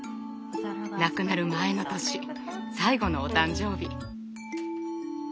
亡くなる前の年最後のお誕生日。